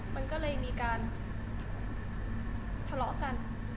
มันก็เลยมีการทะเลาะกัน